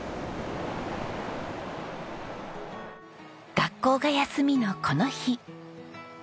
学校が休みのこの日。